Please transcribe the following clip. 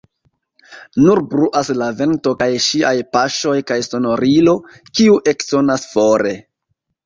Nur bruas la vento kaj ŝiaj paŝoj, kaj sonorilo, kiu eksonas fore.